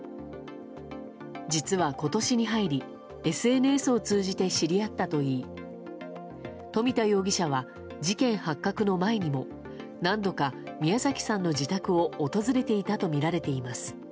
実は今年に入りＳＮＳを通じて知り合ったといい冨田容疑者は事件発覚の前にも何度か宮崎さんの自宅を訪れていたとみられています。